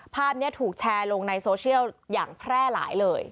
ภาพนี้ถูกแชร์ลงในโซเชียลอย่างแพร่หลายเลย